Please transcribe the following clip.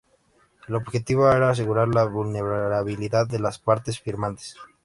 El objetivo era asegurar la vulnerabilidad de las partes firmantes.